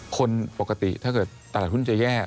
คนปกติถ้าเกิดตลาดหุ้นจะแย่